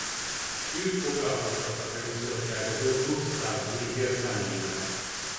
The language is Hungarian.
Ők foglalkoztattak először tervezőt Gustav Siegel személyében.